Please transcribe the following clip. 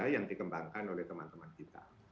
yang dikembangkan oleh teman teman kita